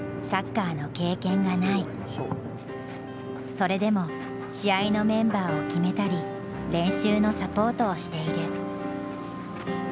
それでも試合のメンバーを決めたり練習のサポートをしている。